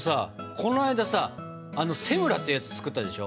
この間さセムラってやつ作ったでしょ。